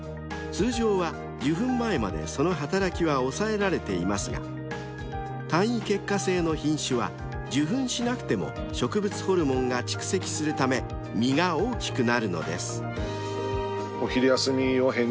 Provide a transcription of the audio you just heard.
［通常は受粉前までその働きは抑えられていますが単為結果性の品種は受粉しなくても植物ホルモンが蓄積するため実が大きくなるのです］